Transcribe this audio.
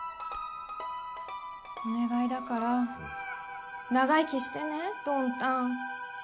お願いだから長生きしてねドンタン。